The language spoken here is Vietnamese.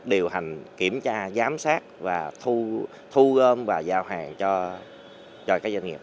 điều hành kiểm tra giám sát và thu gom và giao hàng cho các doanh nghiệp